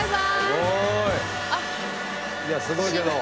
すごい。いやすごいけど。